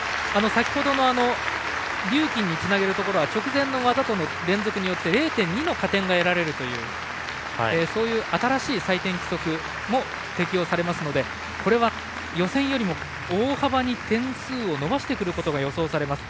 先ほどのリューキンにつなげるところは直前の技との連続によって０．２の加点が得られるという新しい採点規則も適用されますので予選よりも大幅に点数を伸ばしてくることが予想されます。